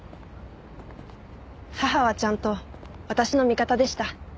母はちゃんと私の味方でした。